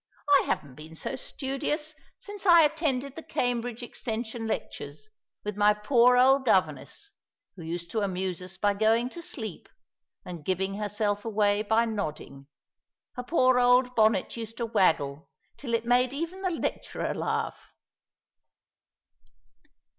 I haven't been so studious since I attended the Cambridge extension lectures, with my poor old governess, who used to amuse us by going to sleep, and giving herself away by nodding. Her poor old bonnet used to waggle till it made even the lecturer laugh."